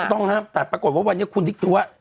ต้องห้ามแต่ปรากฏว่าวันนี้คุณดิ๊กดิ๊กด้วยว่า